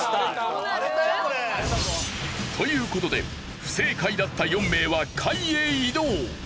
どうなる？という事で不正解だった４名は下位へ移動。